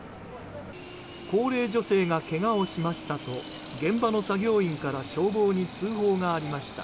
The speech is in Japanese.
高齢女性がけがをしましたと現場の作業員から消防に通報がありました。